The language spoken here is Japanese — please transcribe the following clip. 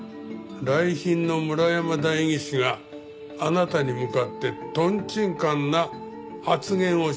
来賓の村山代議士があなたに向かってとんちんかんな発言をしています。